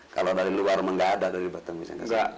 kalau dari luar rumah gak ada